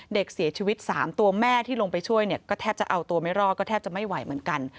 เด็กเสียชีวิต๓ตัวแม่ที่ลงไปช่วยเนี่ยก็แทบจะเอาตัวไม่รอดก็แทบจะไม่ไหวเหมือนกัน